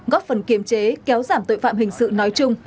góp phần kiềm chế kéo giảm tội phạm hình sự nói chung